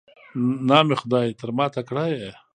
نام خدای، تر ما تکړه یې.